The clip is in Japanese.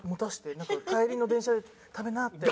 なんか帰りの電車で食べなって。